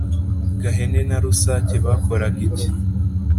Gahene na Rusake bakoraga iki?